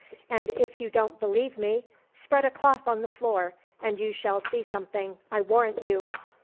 And if you don't believe me, spread a cloth on the floor and you shall see something, I warrant you."